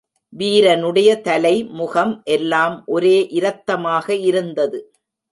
வீரனுடைய தலை, முகம் எல்லாம் ஒரே இரத்தமாக இருந்தது.